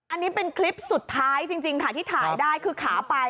อันนี้เป็นคลิปสุดท้ายจริงค่ะที่ถ่ายได้คือขาไป